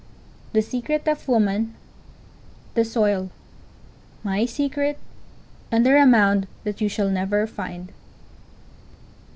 The secret of woman—the soil. My secret: Under a mound that you shall never find.